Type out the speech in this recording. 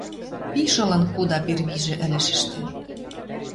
Пиш ылын худа первижӹ ӹлӹшӹштӹ